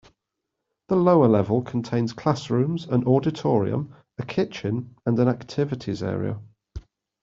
The lower level contains classrooms, an auditorium, a kitchen and an activities area.